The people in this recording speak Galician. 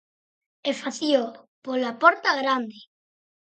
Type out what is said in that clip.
E facíao pola porta grande.